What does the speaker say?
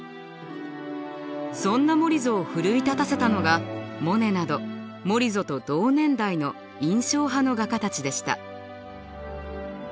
そんなモリゾを奮い立たせたのがモネなどモリゾと同年代の印象派の画家たちでした。